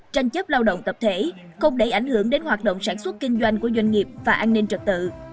tranh chấp lao động tập thể không để ảnh hưởng đến hoạt động sản xuất kinh doanh của doanh nghiệp và an ninh trật tự